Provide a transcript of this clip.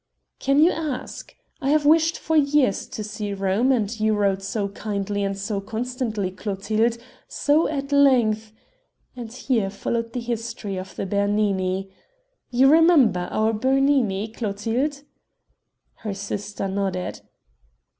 "Can you ask? I have wished for years to see Rome, and you wrote so kindly and so constantly, Clotilde so at length ..." and here followed the history of the Bernini. "You remember our Bernini, Clotilde?" Her sister nodded.